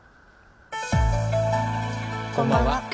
こんばんは。